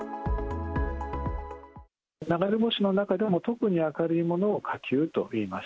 流れ星の中でも特に明るいものを火球といいます。